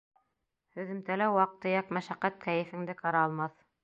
Һөҙөмтәлә ваҡ-төйәк мәшәҡәт кәйефеңде ҡыра алмаҫ.